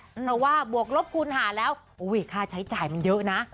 เพราะว่าบวกลบคูณหาแล้วค่าใช้จ่ายมันเยอะนะ